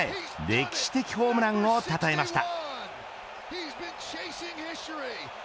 歴史的ホームランをたたえました。